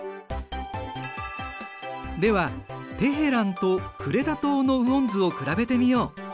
ではテヘランとクレタ島の雨温図を比べてみよう。